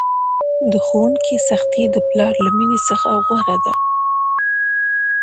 د ښوونکي سختي د پلار له میني څخه غوره ده!